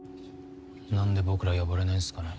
何で僕ら呼ばれないんすかね。